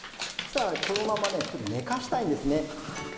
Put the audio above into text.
そしたらこのままねちょっと寝かせたいんですね。